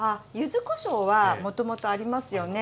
柚子こしょうはもともとありますよね。